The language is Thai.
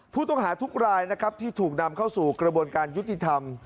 ผู้ต้องหาทุกรายนะครับที่ถูกนำเข้าสู่กระบวนการยุติธรรม